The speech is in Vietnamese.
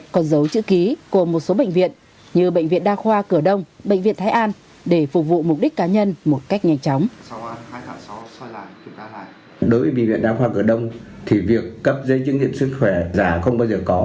còn dấu chữ ký của một số bệnh viện như bệnh viện đa khoa cửa đông bệnh viện thái an để phục vụ mục đích cá nhân một cách nhanh chóng